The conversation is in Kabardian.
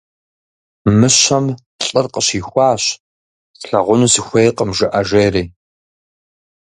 Мыщэм лӀыр къыщихуащ: - «Слъагъуну сыхуейкъым» жыӀэ, - жери.